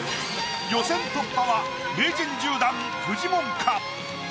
予選突破は名人１０段フジモンか？